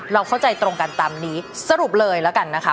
เราเข้าใจตรงกันตามนี้สรุปเลยแล้วกันนะคะ